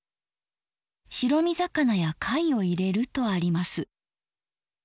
白身魚や貝を入れるとあります。